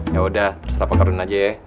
yaudah terserah pak ardun aja ya